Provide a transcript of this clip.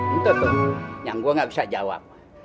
itu tuh yang gue gak bisa jawab